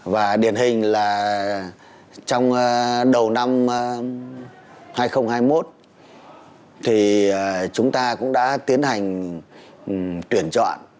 và điển hình là trong đầu năm hai nghìn hai mươi một thì chúng ta cũng đã tiến hành tuyển chọn